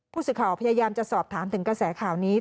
ผู้สื่อข่าวพยายามจะสอบถามถึงกระแสข่าวนี้